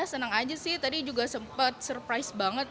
senang aja sih tadi juga sempat surprise banget